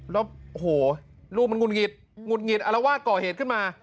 แล้วโหลูกมันหุ่นหงิดหุ่นหงิดแล้ววาดก่อเหตุขึ้นมา